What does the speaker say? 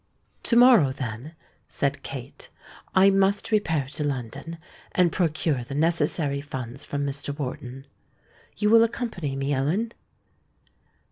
"To morrow, then," said Kate, "I must repair to London, and procure the necessary funds from Mr. Wharton. You will accompany me, Ellen?"